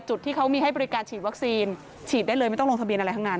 จุดที่เขามีให้บริการฉีดวัคซีนฉีดได้เลยไม่ต้องลงทะเบียนอะไรทั้งนั้น